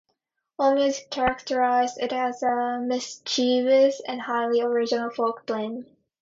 AllMusic characterized it as a "mischievous and highly original folk blend".